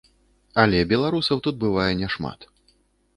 Але беларусаў тут бывае не шмат.